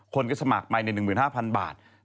คนก็สมัครไปใน๑๕๐๐๐บาท